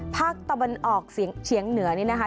ภาคตะวันออกเฉียงเหนือนี่นะคะ